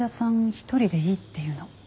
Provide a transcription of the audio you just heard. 一人でいいって言うの。